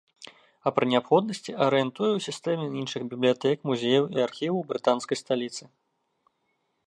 А пры неабходнасці арыентуе ў сістэме іншых бібліятэк, музеяў, архіваў брытанскай сталіцы.